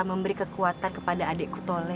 memberi kekuatan kepada adik kutole